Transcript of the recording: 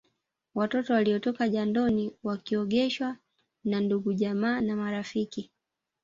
Watoto waliotoka jandoni wakiogeshwa na ndugujamaa na marafiki